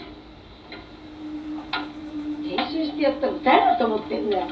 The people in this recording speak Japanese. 練習してやったの誰だと思ってんだよ。